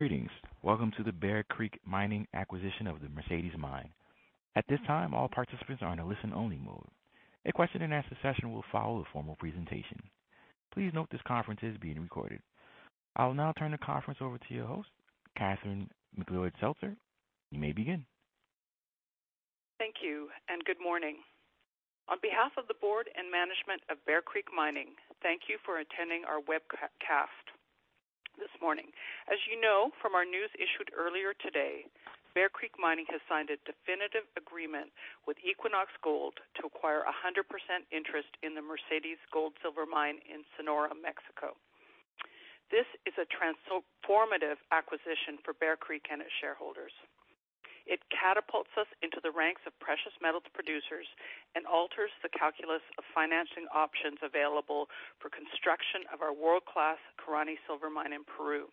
Greetings. Welcome to the Bear Creek Mining acquisition of the Mercedes Mine. At this time, all participants are in a listen-only mode. A question and answer session will follow the formal presentation. Please note this conference is being recorded. I'll now turn the conference over to you Catherine McLeod-Seltzer. You may begin. Thank you and good morning. On behalf of the board and management of Bear Creek Mining, thank you for attending our webcast this morning. As you know from our news issued earlier today, Bear Creek Mining has signed a definitive agreement with Equinox Gold to acquire 100% interest in the Mercedes Gold Silver mine in Sonora, Mexico. This is a transformative acquisition for Bear Creek and its shareholders. It catapults us into the ranks of precious metals producers and alters the calculus of financing options available for construction of our world-class Corani Silver Mine in Peru.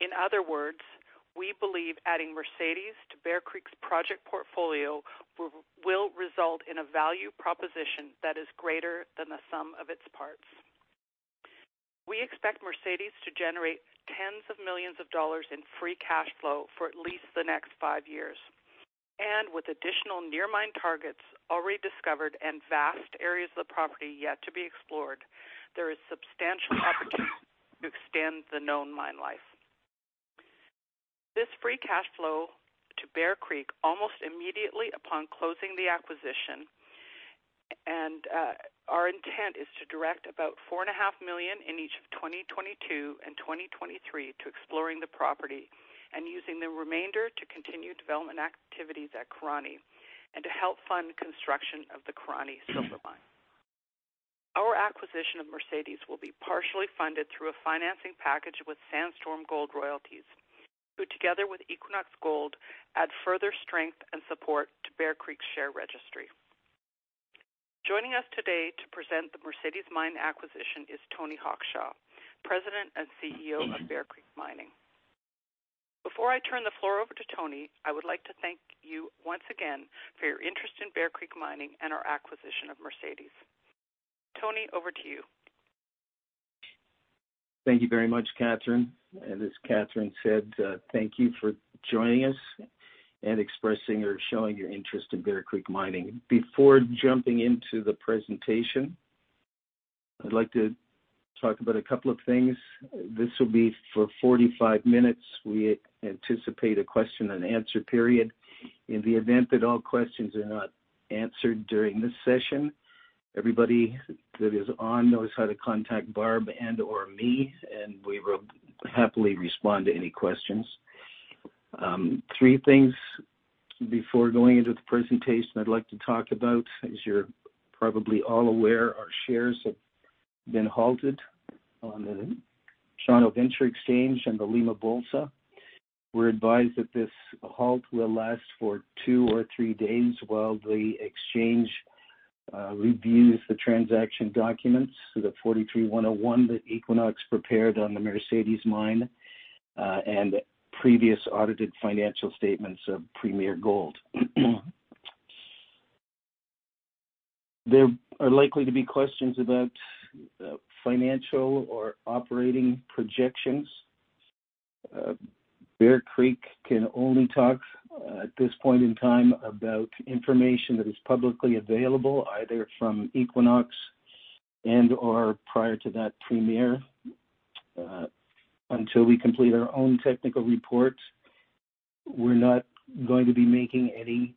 In other words, we believe adding Mercedes to Bear Creek's project portfolio will result in a value proposition that is greater than the sum of its parts. We expect Mercedes to generate tens of millions of dollars in free cash flow for at least the next five years. With additional near mine targets already discovered and vast areas of the property yet to be explored, there is substantial opportunity to extend the known mine life. This free cash flow to Bear Creek almost immediately upon closing the acquisition, and our intent is to direct about $4.5 million in each of 2022 and 2023 to exploring the property and using the remainder to continue development activities at Corani and to help fund construction of the Corani Silver Mine. Our acquisition of Mercedes will be partially funded through a financing package with Sandstorm Gold Royalties, who together with Equinox Gold, add further strength and support to Bear Creek's share registry. Joining us today to present the Mercedes mine acquisition is Tony Hawkshaw, President and CEO of Bear Creek Mining. Before I turn the floor over to Tony, I would like to thank you once again for your interest in Bear Creek Mining and our acquisition of Mercedes. Tony, over to you. Thank you very much, Catherine. As Catherine said, thank you for joining us and expressing or showing your interest in Bear Creek Mining. Before jumping into the presentation, I'd like to talk about a couple of things. This will be for 45 minutes. We anticipate a question and answer period. In the event that all questions are not answered during this session, everybody that is on knows how to contact Barb and or me, and we will happily respond to any questions. Three things before going into the presentation I'd like to talk about. As you're probably all aware, our shares have been halted on the TSX Venture Exchange and the Bolsa de Valores de Lima. We're advised that this halt will last for two or three days while the exchange reviews the transaction documents, so the NI 43-101 that Equinox prepared on the Mercedes mine, and previous audited financial statements of Premier Gold. There are likely to be questions about financial or operating projections. Bear Creek can only talk at this point in time about information that is publicly available, either from Equinox and/or prior to that Premier. Until we complete our own technical reports, we're not going to be making any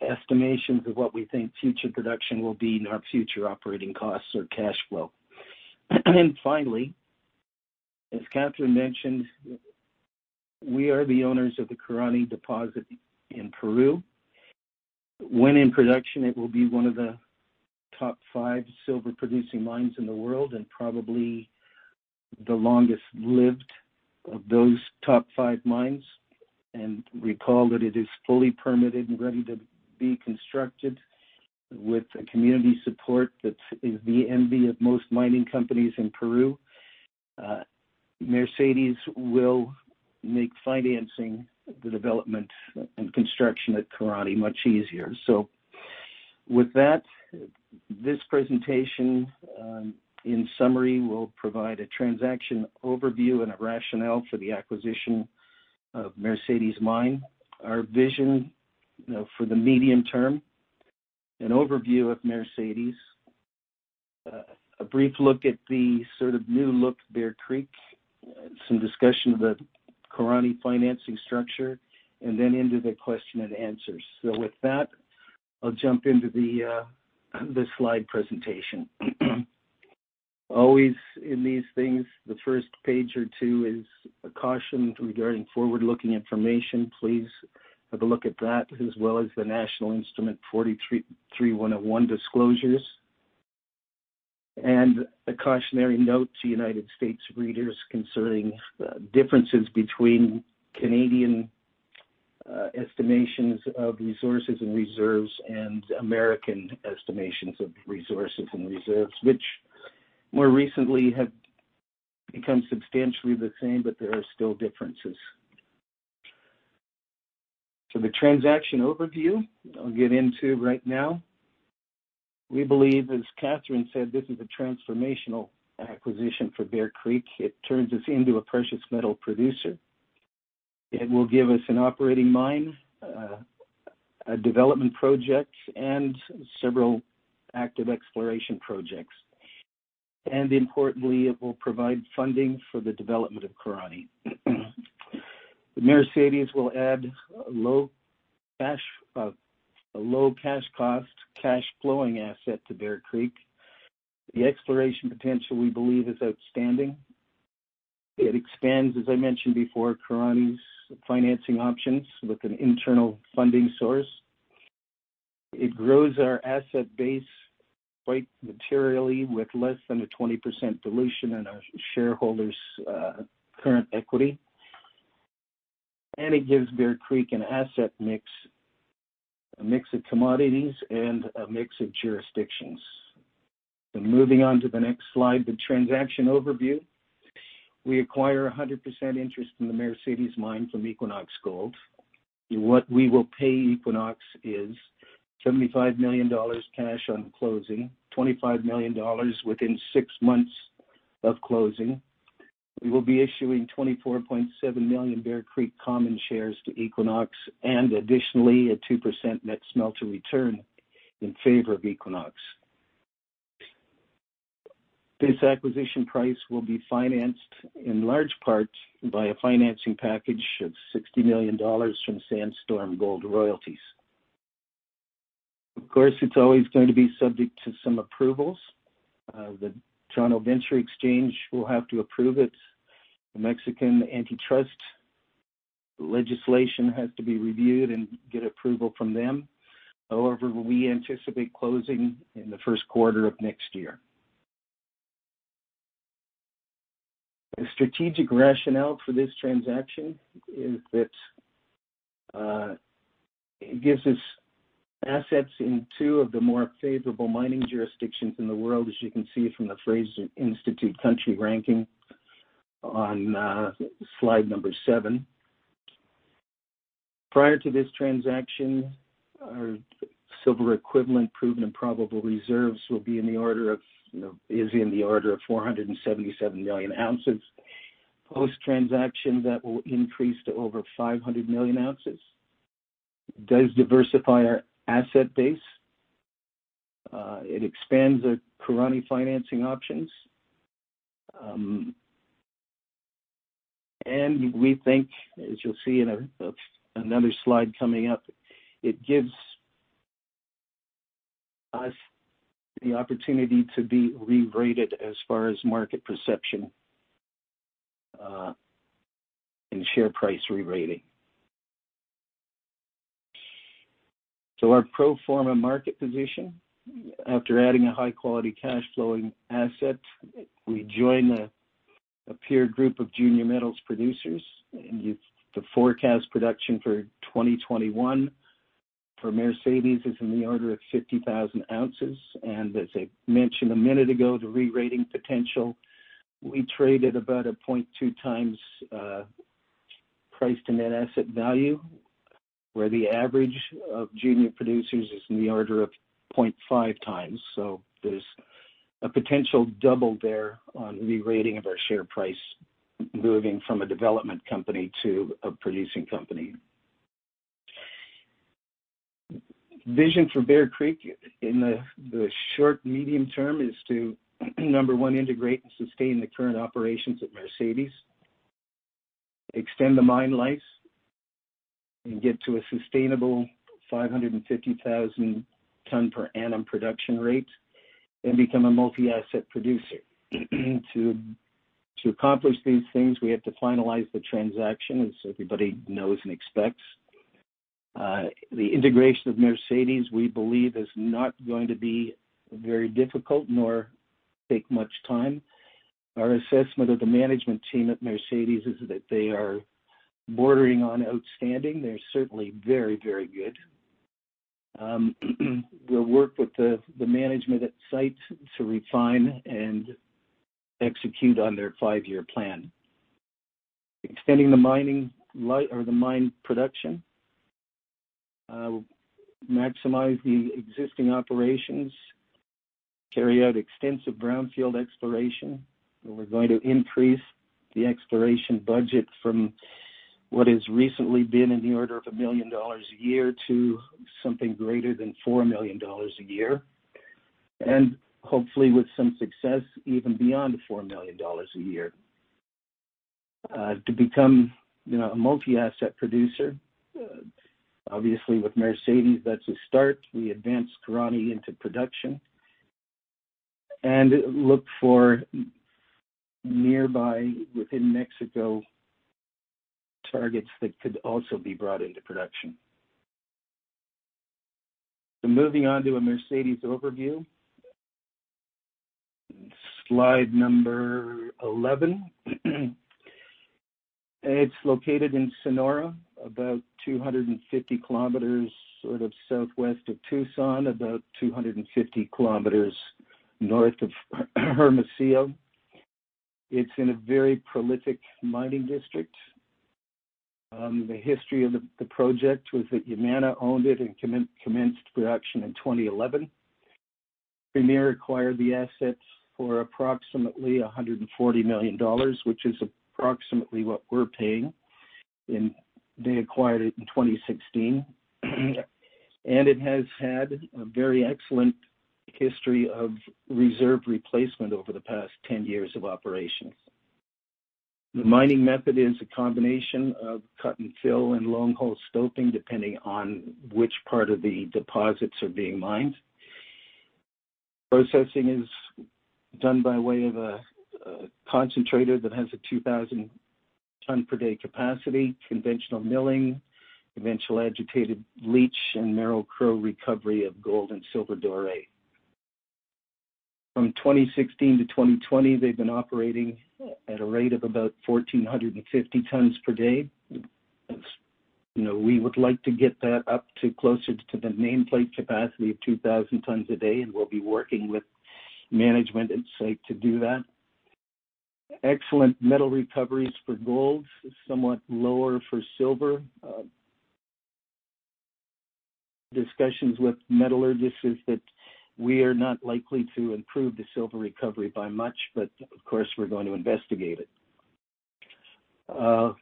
estimations of what we think future production will be in our future operating costs or cash flow. Finally, as Catherine mentioned, we are the owners of the Corani deposit in Peru. When in production, it will be one of the top five silver-producing mines in the world and probably the longest-lived of those top five mines. Recall that it is fully permitted and ready to be constructed with a community support that is the envy of most mining companies in Peru. Mercedes will make financing the development and construction at Corani much easier. With that, this presentation, in summary, will provide a transaction overview and a rationale for the acquisition of Mercedes mine, our vision, you know, for the medium term, an overview of Mercedes, a brief look at the sort of new look Bear Creek, some discussion of the Corani financing structure, and then into the question and answers. With that, I'll jump into the slide presentation. Always in these things, the first page or two is a caution regarding forward-looking information. Please have a look at that, as well as the National Instrument 43-101 disclosures. A cautionary note to United States readers concerning differences between Canadian estimations of resources and reserves and American estimations of resources and reserves, which more recently have become substantially the same, but there are still differences. The transaction overview I'll get into right now. We believe, as Catherine said, this is a transformational acquisition for Bear Creek. It turns us into a precious metal producer. It will give us an operating mine, a development project, and several active exploration projects. Importantly, it will provide funding for the development of Corani. The Mercedes will add a low cash cost, cash flowing asset to Bear Creek. The exploration potential, we believe, is outstanding. It expands, as I mentioned before, Corani's financing options with an internal funding source. It grows our asset base quite materially with less than a 20% dilution in our shareholders' current equity. It gives Bear Creek an asset mix, a mix of commodities and a mix of jurisdictions. Moving on to the next slide, the transaction overview. We acquire a 100% interest in the Mercedes mine from Equinox Gold. What we will pay Equinox is $75 million cash on closing, $25 million within six months of closing. We will be issuing 24.7 million Bear Creek common shares to Equinox, and additionally, a 2% net smelter return in favor of Equinox. This acquisition price will be financed in large part by a financing package of $60 million from Sandstorm Gold Royalties. Of course, it's always going to be subject to some approvals. The TSX Venture Exchange will have to approve it. The Mexican antitrust legislation has to be reviewed and get approval from them. However, we anticipate closing in the first quarter of next year. The strategic rationale for this transaction is that it gives us assets in two of the more favorable mining jurisdictions in the world, as you can see from the Fraser Institute country ranking on slide number seven. Prior to this transaction, our silver equivalent proven and probable reserves will be in the order of 477 million ounces. Post-transaction, that will increase to over 500 million ounces. It does diversify our asset base. It expands the Corani financing options. We think, as you'll see in another slide coming up, it gives us the opportunity to be re-rated as far as market perception and share price re-rating. Our pro forma market position. After adding a high-quality cash flowing asset, we join a peer group of junior metals producers. The forecast production for 2021 for Mercedes is in the order of 50,000 ounces. As I mentioned a minute ago, the re-rating potential, we trade at about 0.2 times price to net asset value, where the average of junior producers is in the order of 0.5 times. There's a potential double there on re-rating of our share price, moving from a development company to a producing company. Vision for Bear Creek in the short-medium term is to, number one, integrate and sustain the current operations at Mercedes, extend the mine life, and get to a sustainable 550,000 ton per annum production rate, and become a multi-asset producer. To accomplish these things, we have to finalize the transaction, as everybody knows and expects. The integration of Mercedes, we believe, is not going to be very difficult nor take much time. Our assessment of the management team at Mercedes is that they are bordering on outstanding. They're certainly very, very good. We'll work with the management at site to refine and execute on their five-year plan, extending the mining life or the mine production, maximize the existing operations, carry out extensive brownfield exploration. We're going to increase the exploration budget from what has recently been in the order of $1 million a year to something greater than $4 million a year. Hopefully, with some success, even beyond $4 million a year. To become, you know, a multi-asset producer, obviously with Mercedes, that's a start. We advance Corani into production and look for nearby, within Mexico, targets that could also be brought into production. Moving on to a Mercedes overview. Slide 11. It's located in Sonora, about 250 kilometers sort of southwest of Tucson, about 250 kilometers north of Hermosillo. It's in a very prolific mining district. The history of the project was that Yamana owned it and commenced production in 2011. Premier acquired the assets for approximately $140 million, which is approximately what we're paying, and they acquired it in 2016. It has had a very excellent history of reserve replacement over the past 10 years of operations. The mining method is a combination of cut and fill and longhole stoping, depending on which part of the deposits are being mined. Processing is done by way of a concentrator that has a 2,000 ton per day capacity, conventional milling, eventual agitated leach, and Merrill-Crowe recovery of gold and silver doré. From 2016 to 2020, they've been operating at a rate of about 1,450 tons per day. You know, we would like to get that up to closer to the nameplate capacity of 2,000 tons a day, and we'll be working with management at site to do that. Excellent metal recoveries for gold, somewhat lower for silver. Discussions with metallurgists is that we are not likely to improve the silver recovery by much, but of course, we're going to investigate it. The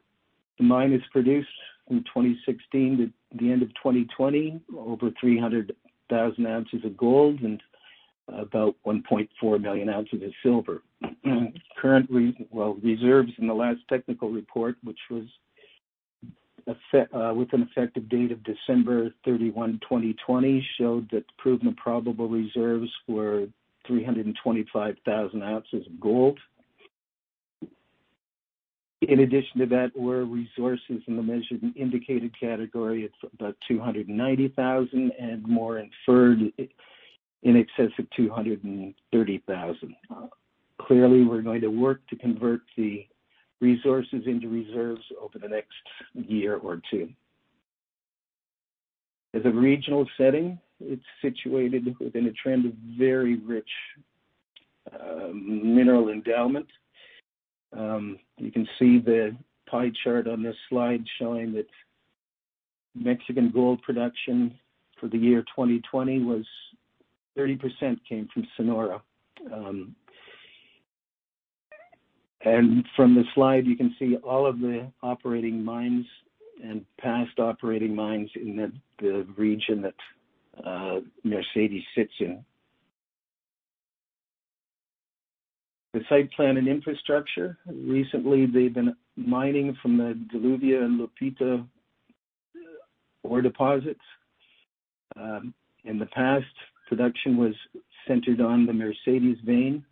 mine has produced, in 2016 to the end of 2020, over 300,000 ounces of gold and about 1.4 million ounces of silver. Currently... Reserves in the last technical report, which had an effective date of December 31, 2020, showed that proven and probable reserves were 325,000 ounces of gold. In addition to that were resources in the measured and indicated category. It's about 290,000 and more inferred in excess of 230,000. Clearly, we're going to work to convert the resources into reserves over the next year or two. As a regional setting, it's situated within a trend of very rich mineral endowment. You can see the pie chart on this slide showing that Mexican gold production for the year 2020 was 30% came from Sonora. From the slide, you can see all of the operating mines and past operating mines in the region that Mercedes sits in. The site plan and infrastructure. Recently, they've been mining from the Diluvio and Lupita ore deposits. In the past, production was centered on the Mercedes vein.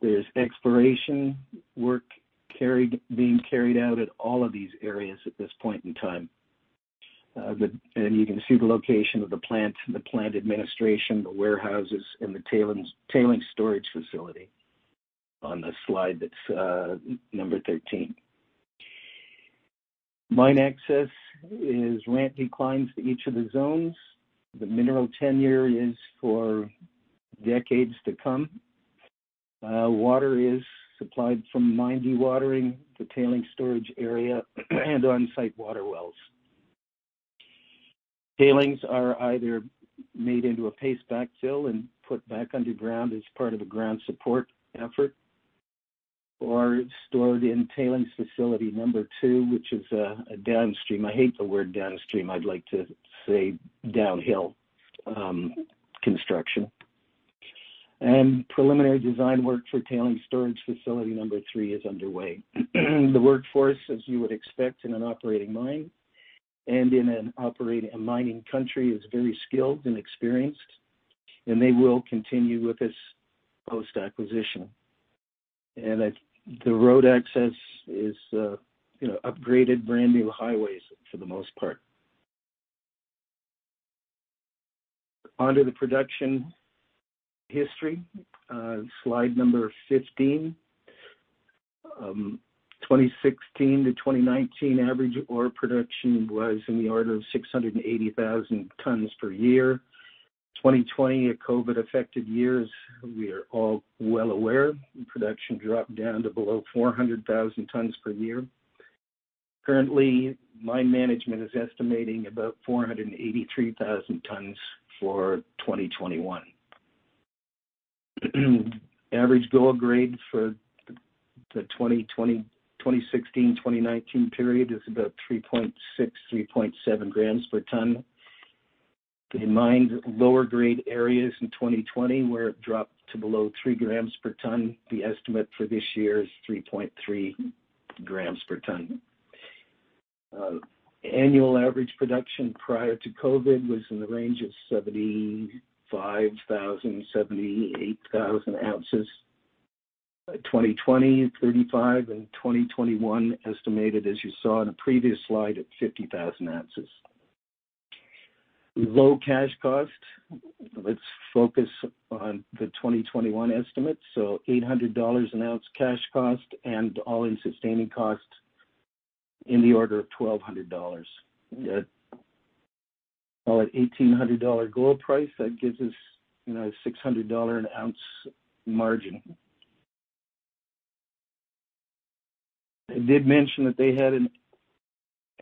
There's exploration work being carried out at all of these areas at this point in time. You can see the location of the plant, the plant administration, the warehouses, and the tailings storage facility on the slide that's 13. Mine access is ramp inclines to each of the zones. The mineral tenure is for decades to come. Water is supplied from mine dewatering, the tailings storage area and on-site water wells. Tailings are either made into a paste backfill and put back underground as part of a ground support effort or stored in tailings facility two, which is a downstream. I hate the word downstream. I'd like to say downhill construction. Preliminary design work for tailings storage facility number three is underway. The workforce, as you would expect in an operating mine and in an operating and mining country, is very skilled and experienced, and they will continue with this post-acquisition. The road access is upgraded brand-new highways for the most part. On to the production history. Slide number 15. 2016 to 2019 average ore production was in the order of 680,000 tons per year. 2020, a COVID-affected years, we are all well aware, production dropped down to below 400,000 tons per year. Currently, mine management is estimating about 483,000 tons for 2021. Average gold grade for the 2016-2019 period is about 3.6, 3.7 grams per ton. They mined lower grade areas in 2020, where it dropped to below 3 grams per ton. The estimate for this year is 3.3 grams per ton. Annual average production prior to COVID was in the range of 75,000-78,000 ounces. 2020, 35. In 2021, estimated, as you saw in a previous slide, at 50,000 ounces. Low cash cost. Let's focus on the 2021 estimate. So $800 an ounce cash cost and all-in sustaining cost in the order of $1,200. Well, at $1,800 gold price, that gives us, you know, $600 an ounce margin. I did mention that they had an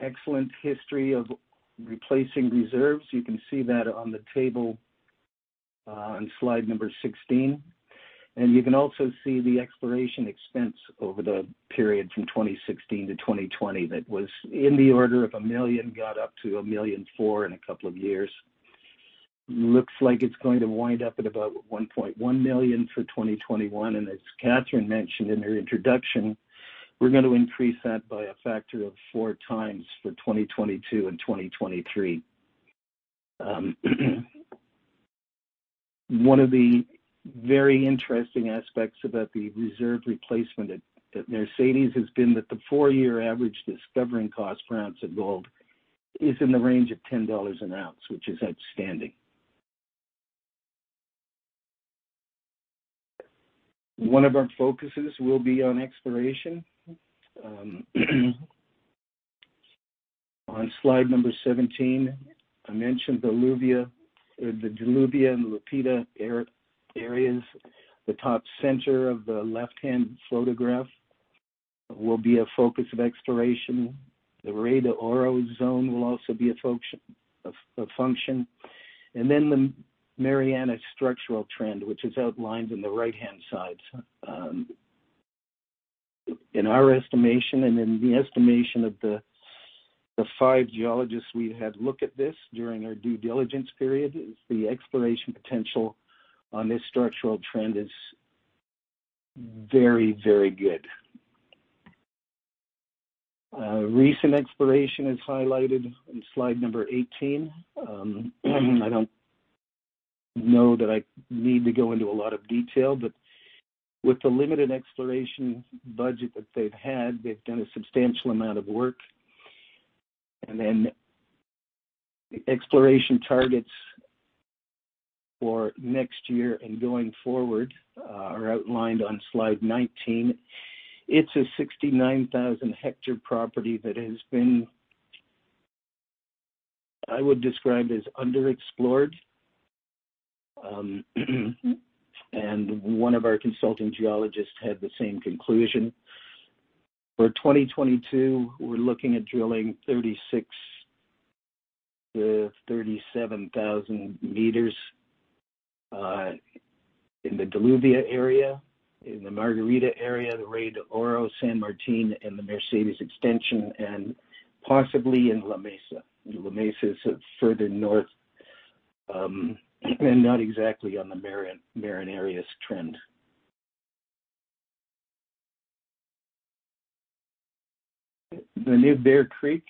excellent history of replacing reserves. You can see that on the table on slide 16. You can also see the exploration expense over the period from 2016 to 2020 that was in the order of $1 million, got up to $1.4 million in a couple of years. Looks like it's going to wind up at about $1.1 million for 2021. As Catherine mentioned in her introduction, we're gonna increase that by a factor of four times for 2022 and 2023. One of the very interesting aspects about the reserve replacement at Mercedes has been that the 4-year average discovery cost per ounce of gold is in the range of $10 an ounce, which is outstanding. One of our focuses will be on exploration. On slide 17, I mentioned the Diluvio and Lupita areas. The top center of the left-hand photograph will be a focus of exploration. The Rey de Oro zone will also be a focus area. The Marianas structural trend, which is outlined in the right-hand side. In our estimation and in the estimation of the five geologists we had look at this during our due diligence period, the exploration potential on this structural trend is very, very good. Recent exploration is highlighted in slide 18. I don't know that I need to go into a lot of detail, but with the limited exploration budget that they've had, they've done a substantial amount of work. Exploration targets for next year and going forward are outlined on slide 19. It's a 69,000-hectare property that I would describe as underexplored. One of our consulting geologists had the same conclusion. For 2022, we're looking at drilling 36,000-37,000 meters in the Lluvia area, in the Margarita area, the Rey de Oro, San Martín, and the Mercedes extension, and possibly in La Mesa. La Mesa is further north, and not exactly on the Marianas trend. The new Bear Creek,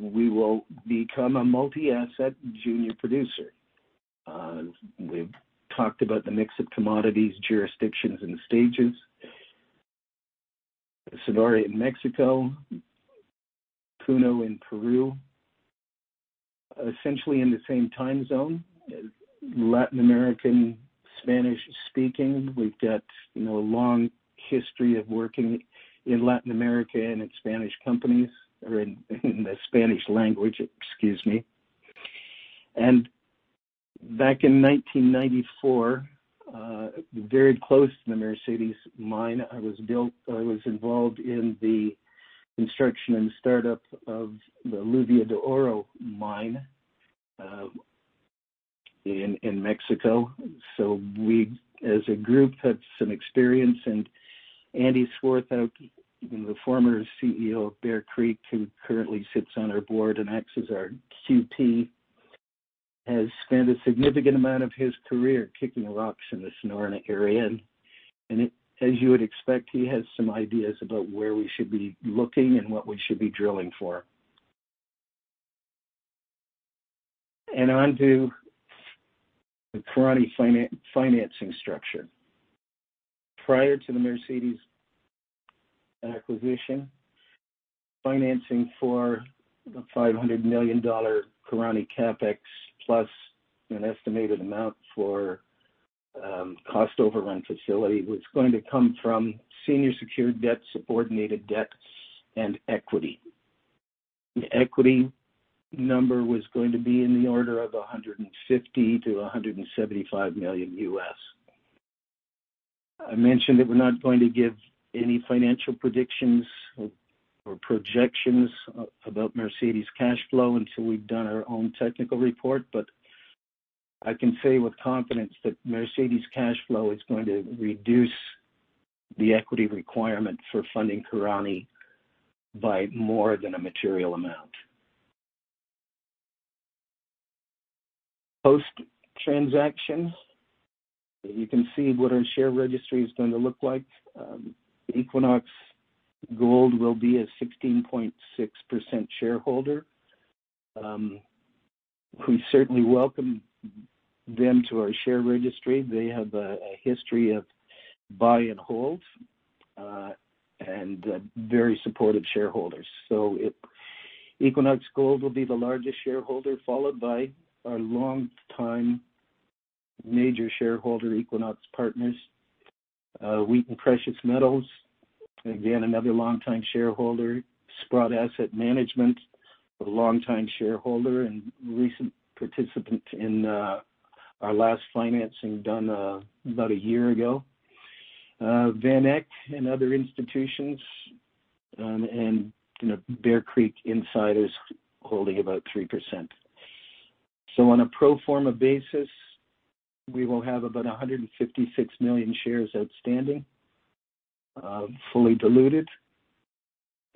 we will become a multi-asset junior producer. We've talked about the mix of commodities, jurisdictions, and stages. Sonora in Mexico, Puno in Peru, essentially in the same time zone, Latin American, Spanish-speaking. We've got, you know, a long history of working in Latin America and in Spanish companies, or in the Spanish language, excuse me. Back in 1994, very close to the Mercedes mine, I was involved in the construction and startup of the Lluvia de Oro mine, in Mexico. We, as a group, have some experience. Andrew Swarthout, you know, the Former CEO of Bear Creek, who currently sits on our board and acts as our QP, has spent a significant amount of his career kicking rocks in the Sonora area. As you would expect, he has some ideas about where we should be looking and what we should be drilling for. Onto the Corani financing structure. Prior to the Mercedes acquisition, financing for the $500 million Corani CapEx plus an estimated amount for cost overrun facility was going to come from senior secured debt, subordinated debt, and equity. The equity number was going to be in the order of $150 million-$175 million. I mentioned that we're not going to give any financial predictions or projections about Mercedes cash flow until we've done our own technical report, but I can say with confidence that Mercedes cash flow is going to reduce the equity requirement for funding Corani by more than a material amount. Post-transaction, you can see what our share registry is going to look like. Equinox Gold will be a 16.6% shareholder. We certainly welcome them to our share registry. They have a history of buy and hold and very supportive shareholders. Equinox Gold will be the largest shareholder, followed by our longtime major shareholder, Equinox Partners. Wheaton Precious Metals, again, another longtime shareholder. Sprott Asset Management, a longtime shareholder and recent participant in our last financing done about a year ago. VanEck and other institutions, you know, Bear Creek insiders holding about 3%. On a pro forma basis, we will have about 156 million shares outstanding, fully diluted,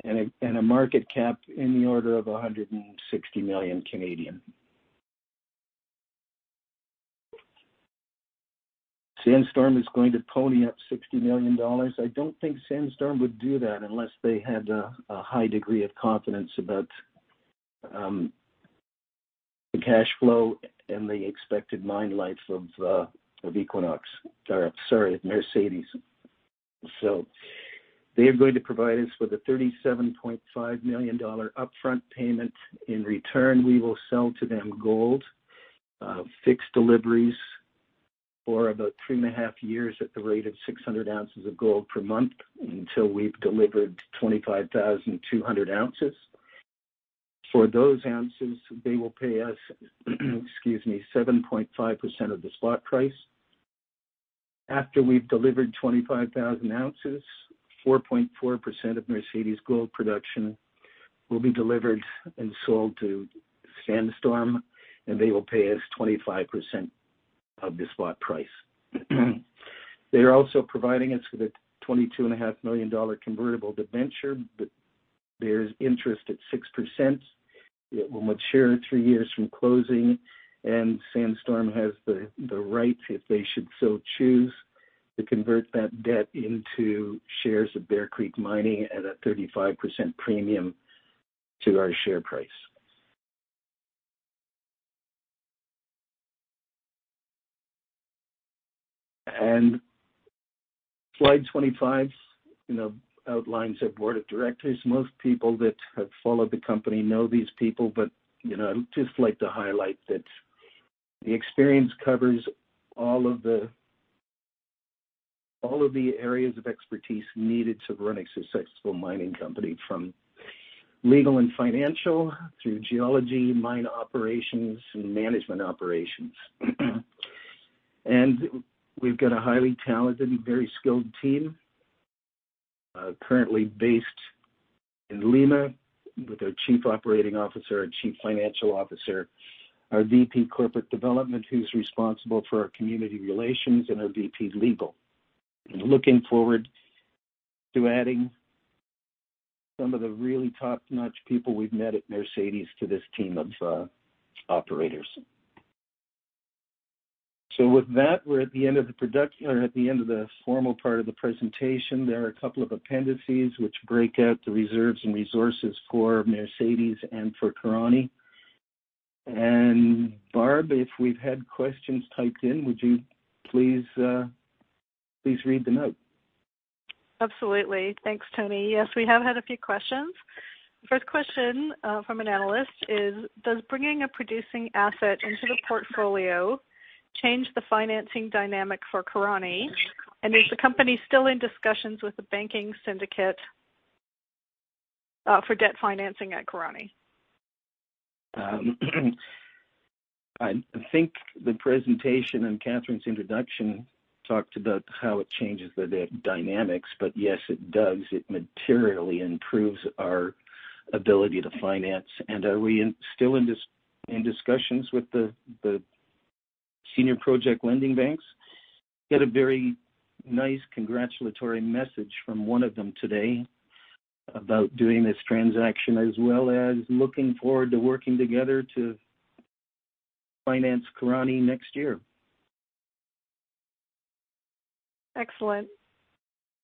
and a market cap in the order of 160 million. Sandstorm is going to pony up $60 million. I don't think Sandstorm would do that unless they had a high degree of confidence about the cash flow and the expected mine life of Equinox or sorry, Mercedes. They are going to provide us with a $37.5 million upfront payment. In return, we will sell to them gold fixed deliveries for about 3.5 years at the rate of 600 ounces of gold per month until we've delivered 25,200 ounces. For those ounces, they will pay us, excuse me, 7.5% of the spot price. After we've delivered 25,000 ounces, 4.4% of Mercedes gold production will be delivered and sold to Sandstorm, and they will pay us 25% of the spot price. They are also providing us with a $22.5 million convertible debenture. bears interest at 6%. It will mature three years from closing, and Sandstorm has the right, if they should so choose, to convert that debt into shares of Bear Creek Mining at a 35% premium to our share price. slide 25, you know, outlines our board of directors. Most people that have followed the company know these people, but, you know, I'd just like to highlight that the experience covers all of the areas of expertise needed to run a successful mining company from legal and financial through geology, mine operations, and management operations. We've got a highly talented and very skilled team currently based in Lima with our chief operating officer, our chief financial officer, our VP corporate development, who's responsible for our community relations, and our VP legal. Looking forward to adding some of the really top-notch people we've met at Mercedes to this team of operators. With that, we're at the end of the formal part of the presentation. There are a couple of appendices which break out the reserves and resources for Mercedes and for Corani. Barb, if we've had questions typed in, would you please read them out? Absolutely. Thanks, Tony. Yes, we have had a few questions. First question from an analyst is, does bringing a producing asset into the portfolio change the financing dynamic for Corani? And is the company still in discussions with the banking syndicate for debt financing at Corani? I think the presentation and Catherine's introduction talked about how it changes the dynamics, but yes, it does. It materially improves our ability to finance. Are we still in discussions with the senior project lending banks? We got a very nice congratulatory message from one of them today about doing this transaction, as well as looking forward to working together to finance Corani next year. Excellent.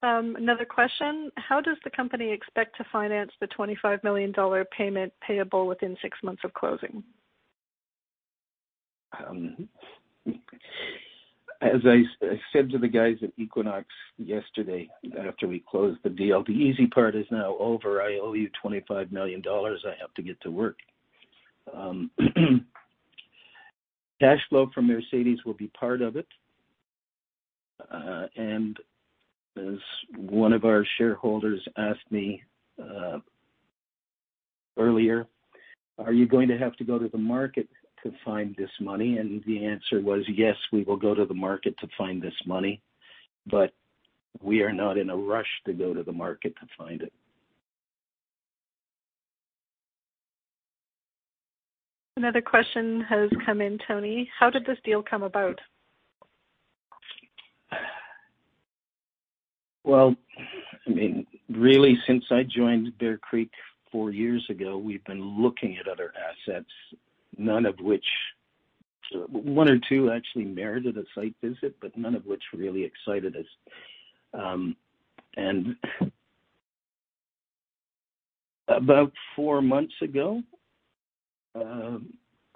Another question. How does the company expect to finance the $25 million payment payable within six months of closing? I said to the guys at Equinox yesterday after we closed the deal, the easy part is now over. I owe you $25 million. I have to get to work. Cash flow from Mercedes will be part of it. As one of our shareholders asked me earlier, "Are you going to have to go to the market to find this money?" The answer was, yes, we will go to the market to find this money, but we are not in a rush to go to the market to find it. Another question has come in, Tony. How did this deal come about? Well, I mean, really, since I joined Bear Creek four years ago, we've been looking at other assets, none of which, one or two actually merited a site visit, but none of which really excited us. About four months ago,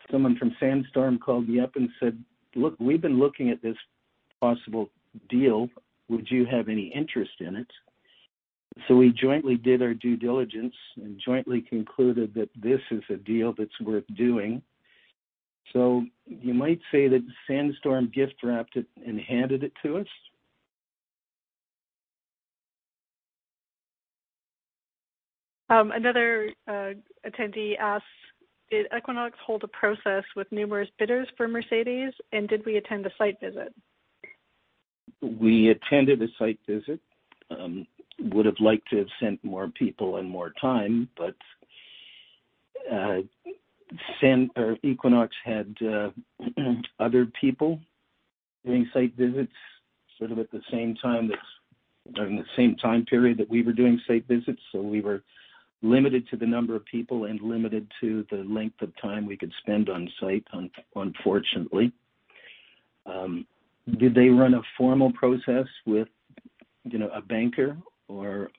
someone from Sandstorm called me up and said, "Look, we've been looking at this possible deal. Would you have any interest in it?" We jointly did our due diligence and jointly concluded that this is a deal that's worth doing. You might say that Sandstorm gift-wrapped it and handed it to us. Another attendee asks, did Equinox hold a process with numerous bidders for Mercedes, and did we attend a site visit? We attended a site visit. Would have liked to have sent more people and more time, but and/or Equinox had other people doing site visits sort of at the same time during the same time period that we were doing site visits. We were limited to the number of people and limited to the length of time we could spend on site, unfortunately. Did they run a formal process with, you know, a banker or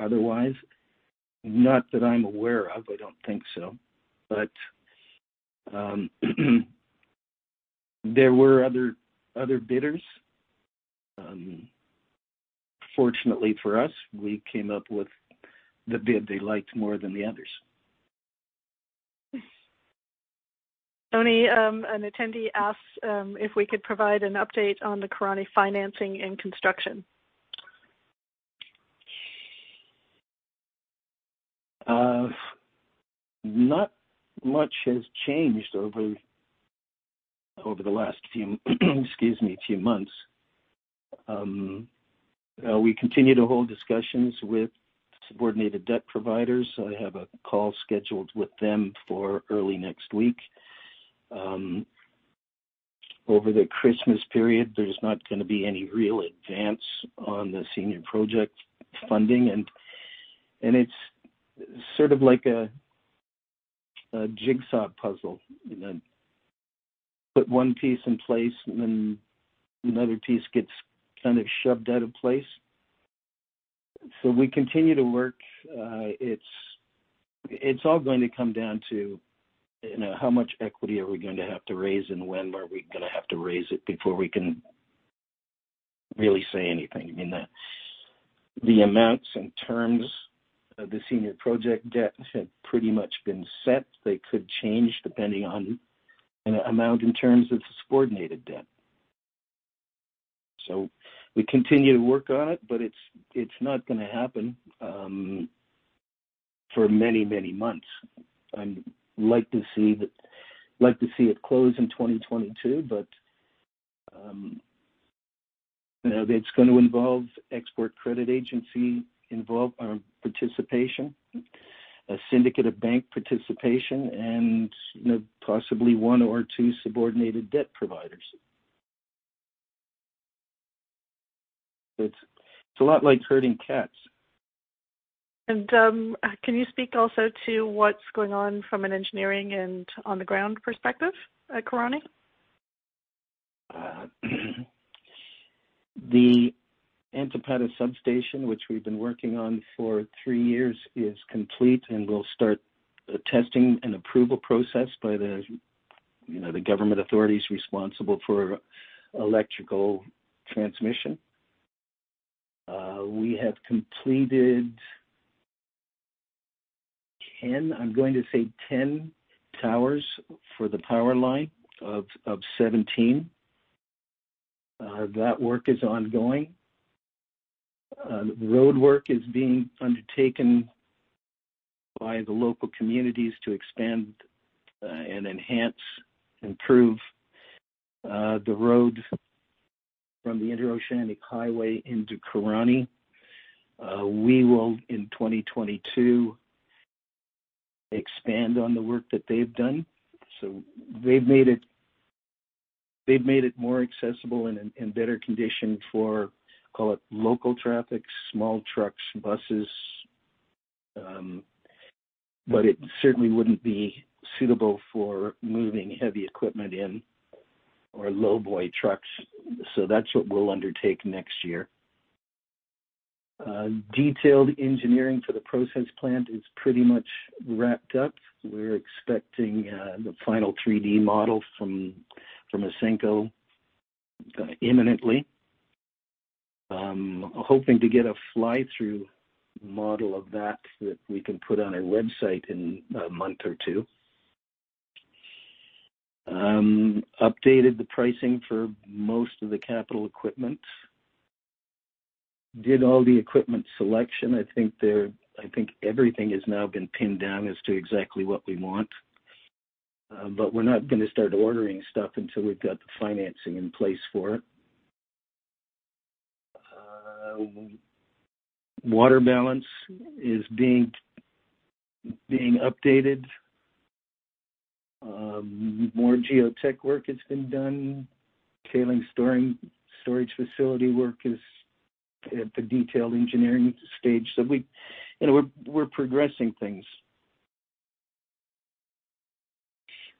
otherwise? Not that I'm aware of. I don't think so. There were other bidders. Fortunately for us, we came up with the bid they liked more than the others. Tony, an attendee asks if we could provide an update on the Corani financing and construction. Not much has changed over the last few months. We continue to hold discussions with subordinated debt providers. I have a call scheduled with them for early next week. Over the Christmas period, there's not gonna be any real advance on the senior project funding, and it's sort of like a jigsaw puzzle. You put one piece in place, and then another piece gets kind of shoved out of place. We continue to work. It's all going to come down to, you know, how much equity are we going to have to raise and when were we gonna have to raise it before we can really say anything. I mean, the amounts and terms of the senior project debt have pretty much been set. They could change depending on the amount and terms of subordinated debt. We continue to work on it, but it's not gonna happen for many, many months. Like to see it close in 2022, but you know, it's gonna involve export credit agency involvement or participation, a syndicate of banks' participation and, you know, possibly one or two subordinated debt providers. It's a lot like herding cats. Can you speak also to what's going on from an engineering and on-the-ground perspective at Corani? The Antapata substation, which we've been working on for 3 years, is complete and will start a testing and approval process by the, you know, the government authorities responsible for electrical transmission. We have completed 10 towers for the power line of 17. That work is ongoing. The roadwork is being undertaken by the local communities to expand and enhance, improve the road from the Interoceanic Highway into Corani. We will, in 2022, expand on the work that they've done. They've made it more accessible and better condition for, call it, local traffic, small trucks, buses. But it certainly wouldn't be suitable for moving heavy equipment in or low boy trucks. That's what we'll undertake next year. Detailed engineering for the process plant is pretty much wrapped up. We're expecting the final Three-D model from Ausenco imminently. I'm hoping to get a fly-through model of that we can put on our website in a month or two. Updated the pricing for most of the capital equipment. Did all the equipment selection. I think everything has now been pinned down as to exactly what we want. We're not gonna start ordering stuff until we've got the financing in place for it. Water balance is being updated. More geotech work has been done. Tailings storage facility work is at the detailed engineering stage. We, you know, we're progressing things.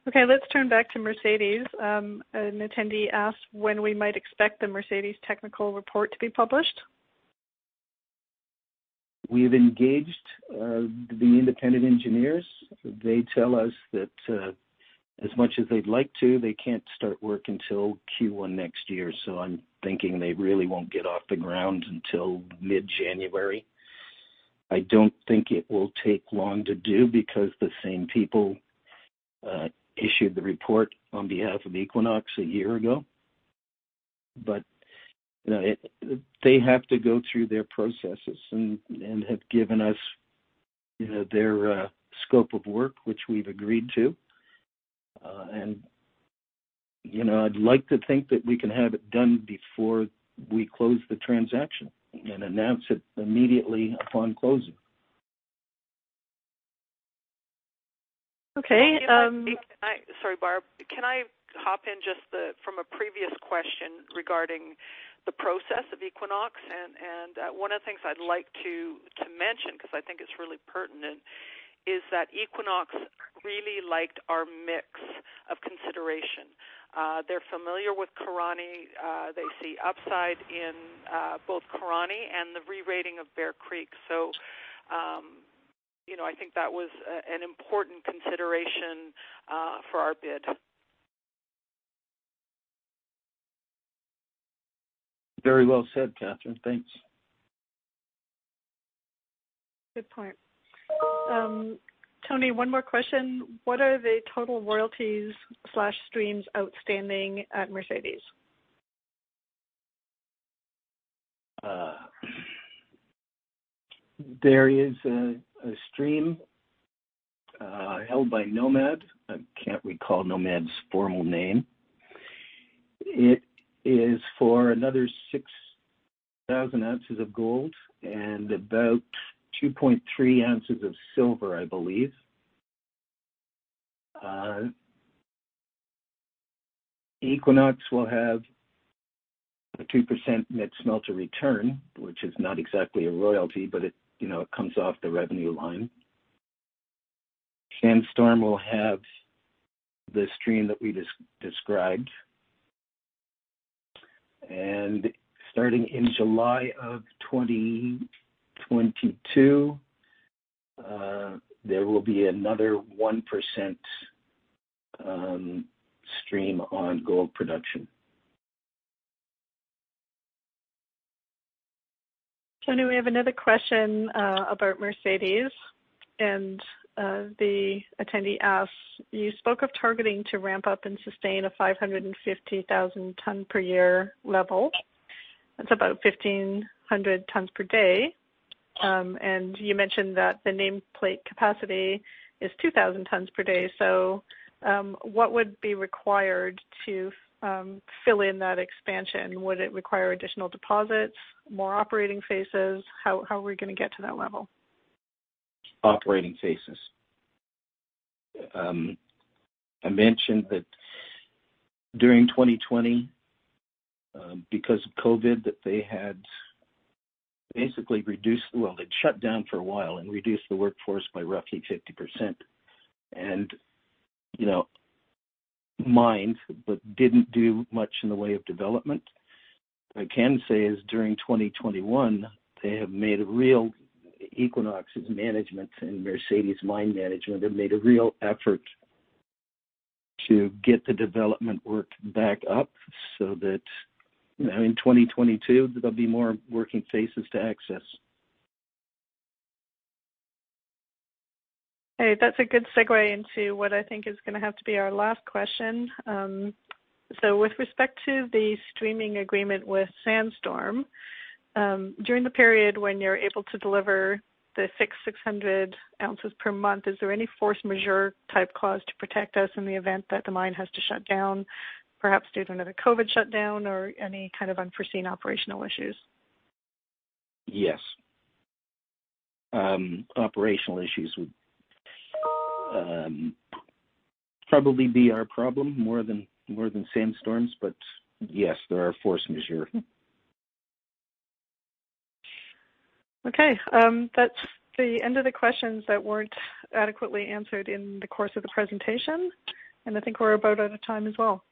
Okay, let's turn back to Mercedes. An attendee asked when we might expect the Mercedes technical report to be published. We've engaged the independent engineers. They tell us that as much as they'd like to, they can't start work until Q1 next year, so I'm thinking they really won't get off the ground until mid-January. I don't think it will take long to do because the same people issued the report on behalf of Equinox a year ago. You know, they have to go through their processes and have given us their scope of work, which we've agreed to. You know, I'd like to think that we can have it done before we close the transaction and announce it immediately upon closing. Okay. Sorry, Barb, can I hop in just from a previous question regarding the process of Equinox? One of the things I'd like to mention, because I think it's really pertinent, is that Equinox really liked our mix of consideration. They're familiar with Corani. They see upside in both Corani and the re-rating of Bear Creek. You know, I think that was an important consideration for our bid. Very well said, Catherine. Thanks. Good point. Tony, one more question. What are the total royalties/streams outstanding at Mercedes? There is a stream held by Nomad Royalty Company. I can't recall Nomad's formal name. It is for another 6,000 ounces of gold and about 2.3 ounces of silver, I believe. Equinox will have a 2% net smelter return, which is not exactly a royalty, but it, you know, it comes off the revenue line. Sandstorm will have the stream that we described. Starting in July 2022, there will be another 1% stream on gold production. Tony, we have another question about Mercedes, and the attendee asks, you spoke of targeting to ramp up and sustain a 550,000 tons per year level. That's about 1,500 tons per day. You mentioned that the nameplate capacity is 2,000 tons per day. What would be required to fill in that expansion? Would it require additional deposits, more operating phases? How are we gonna get to that level? Operating phases. I mentioned that during 2020, because of COVID, they had basically shut down for a while and reduced the workforce by roughly 50%. You know, mined, but didn't do much in the way of development. I can say is during 2021, they have made a real Equinox's management and Mercedes mine management have made a real effort to get the development work back up so that, you know, in 2022, there'll be more working phases to access. Okay, that's a good segue into what I think is gonna have to be our last question. With respect to the streaming agreement with Sandstorm, during the period when you're able to deliver the 600 ounces per month, is there any force majeure type clause to protect us in the event that the mine has to shut down, perhaps due to another COVID shutdown or any kind of unforeseen operational issues? Yes. Operational issues would probably be our problem more than Sandstorm's. Yes, there are force majeure. Okay. That's the end of the questions that weren't adequately answered in the course of the presentation. I think we're about out of time as well.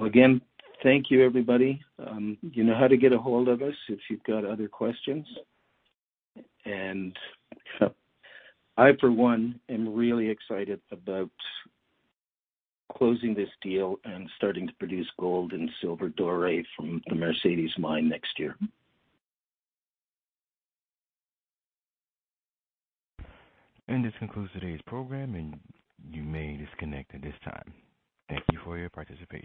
Again, thank you, everybody. You know how to get a hold of us if you've got other questions. I, for one, am really excited about closing this deal and starting to produce gold and silver doré from the Mercedes mine next year. This concludes today's program, and you may disconnect at this time. Thank you for your participation.